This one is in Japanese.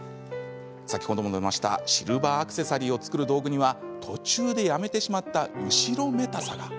シルバーアクセサリーを作る道具には途中でやめてしまった後ろめたさが。